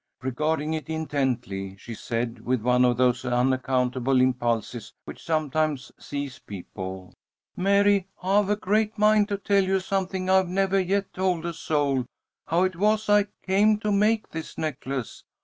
Regarding it intently, she said, with one of those unaccountable impulses which sometimes seize people: "Mary, I've a great mind to tell you something I've nevah yet told a soul, how it was I came to make this necklace.